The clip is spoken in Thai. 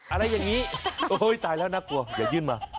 อะไรอย่างนี้โอ้ยตายแล้วน่ากลัวอย่ายื่นมา